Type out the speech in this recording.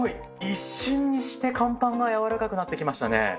一瞬にして乾パンが軟らかくなってきましたね。